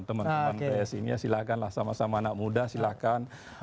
teman teman psi ini ya silakan lah sama sama anak muda silakan